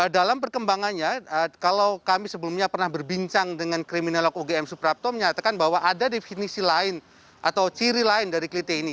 dalam perkembangannya kalau kami sebelumnya pernah berbincang dengan kriminolog ugm suprapto menyatakan bahwa ada definisi lain atau ciri lain dari kliti ini